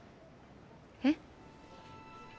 えっ？